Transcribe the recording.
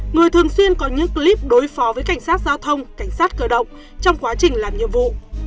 người thường xuyên có những clip đối phó với cảnh sát giao thông cảnh sát cơ động trong quá trình làm nhiệm vụ